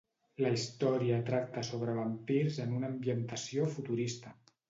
La història tracta sobre vampirs en una ambientació futurista.